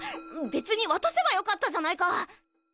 別に渡せばよかったじゃないか。